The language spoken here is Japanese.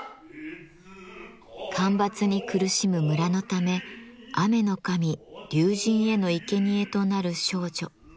干ばつに苦しむ村のため雨の神竜神へのいけにえとなる少女。